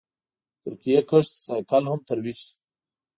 د ترکیبي کښت سایکل هم ترویج شو.